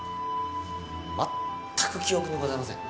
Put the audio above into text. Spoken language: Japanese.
全く記憶にございません。